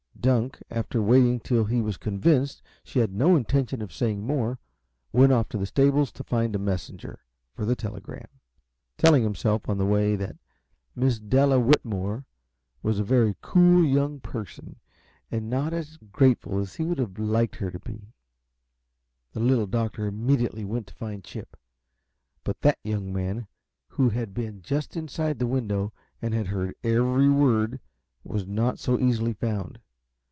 Dunk, after waiting till he was convinced she had no intention of saying more, went off to the stables to find a messenger for the telegram, telling himself on the way that Miss Della Whitmore was a very cool young person, and not as grateful as he would like her to be. The Little Doctor went immediately to find Chip, but that young man, who had been just inside the window and had heard every word, was not so easily found.